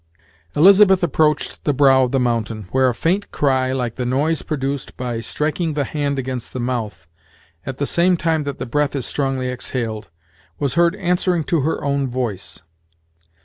Elizabeth approached the brow of the mountain, where a faint cry, like the noise produced by striking the hand against the mouth, at the same time that the breath is strongly exhaled, was heard answering to her own voice.